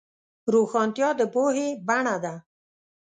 روښانتیا د پوهې بڼه ده.